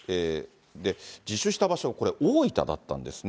自首した場所、これ大分だったんですね。